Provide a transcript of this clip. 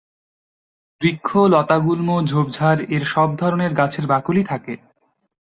বৃক্ষ, লতা-গুল্ম, ঝোপঝাড় এর সব ধরনের গাছের-ই বাকল থাকে।